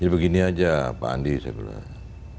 jadi begini saja pak andi saya bilang